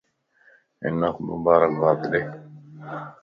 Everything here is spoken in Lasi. ھنک مبارک باد ڏي